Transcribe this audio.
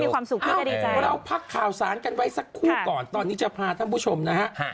เราพักข่าวสารกันไว้สักคู่ก่อนตอนนี้จะพาท่านผู้ชมนะฮะ